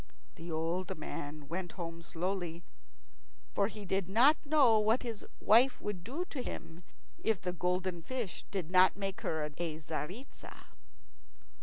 The old man went home slowly, for he did not know what his wife would do to him if the golden fish did not make her into a Tzaritza.